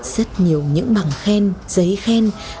rất nhiều những bảng khen giấy khen